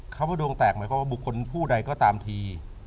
คำว่าดวงแตกหมายความว่าบุคคลผู้ใดก็ตามที